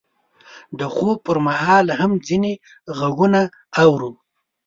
د خوب پر مهال هم ځینې غږونه اورو.